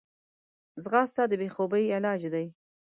ځغاسته د بېخوبي علاج دی